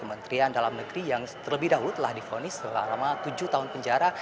kementerian dalam negeri yang terlebih dahulu telah difonis selama tujuh tahun penjara